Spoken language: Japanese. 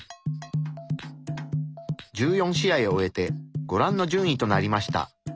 １４試合を終えてご覧の順位となりました。